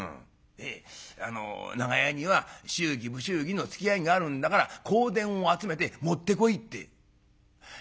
「であの『長屋には祝儀不祝儀のつきあいがあるんだから香典を集めて持ってこい』って」。